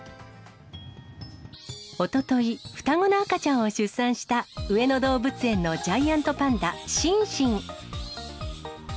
おととい、双子の赤ちゃんを出産した上野動物園のジャイアントパンダ、シンシン。